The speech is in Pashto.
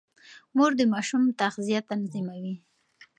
مور د ماشوم تغذيه تنظيموي.